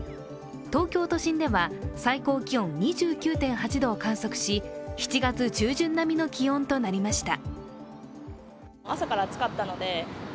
東京都心では最高気温２９．８度を観測し７月中旬並みの気温となりました。